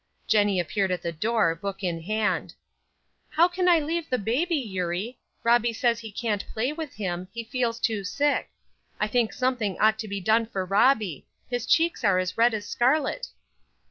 Jenny appeared at the door, book in hand. "How can I leave the baby, Eurie? Robbie says he can't play with him he feels too sick. I think something ought to be done for Robbie; his cheeks are as red as scarlet."